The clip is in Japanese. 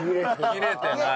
切れてない。